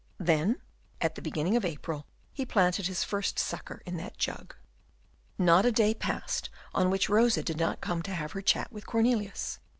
Then, at the beginning of April, he planted his first sucker in that jug. Not a day passed on which Rosa did not come to have her chat with Cornelius.